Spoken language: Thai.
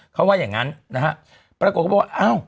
เขาว่าอย่างงั้นนะฮะปรากฏเขาบอกว่าอ้าว